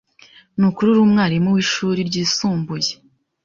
Nukuri uri umwarimu wishuri ryisumbuye?